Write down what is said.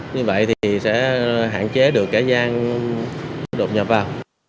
như vậy thì sẽ hạn chế được kẻ gian đột nhập vào